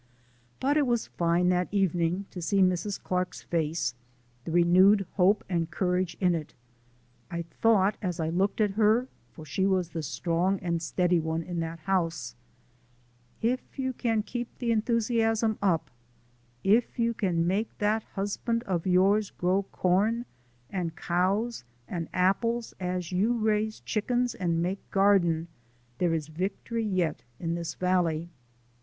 But it was fine, that evening, to see Mrs. Clark's face, the renewed hope and courage in it. I thought as I looked at her (for she was the strong and steady one in that house): "If you can keep the enthusiasm up, if you can make that husband of yours grow corn, and cows, and apples as you raise chickens and make garden, there is victory yet in this valley."